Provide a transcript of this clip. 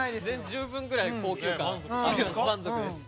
十分ぐらい高級感満足です。